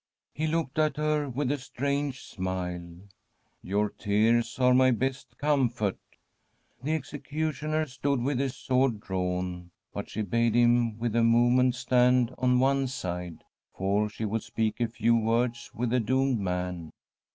He looked at her with a strange smile. ' Your tears are my best comfort.' The executioner stood with his sword drawn, but she bade him with a movement stand on one side, for she would speak a few words with the doomed man.